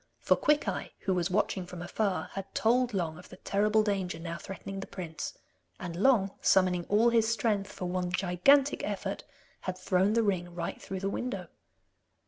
For Quickeye, who was watching from afar, had told Long of the terrible danger now threatening the prince, and Long, summoning all his strength for one gigantic effort, had thrown the ring right through the window.